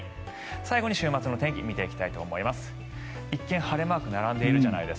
最後に週末の天気を見ていきたいと思います。